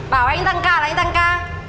bảo anh tăng ca là anh tăng ca